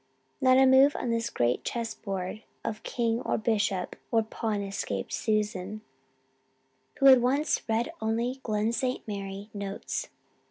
Not a move on the great chess board of king or bishop or pawn escaped Susan, who had once read only Glen St. Mary notes.